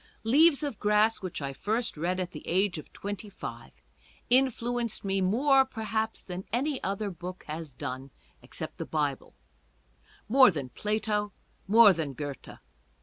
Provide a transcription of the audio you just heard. "Leaves of Grass," which I first read at the age of twenty five, influenced me more perhaps than any other book has done, except the Bible ; more than Plato, more than Goethe.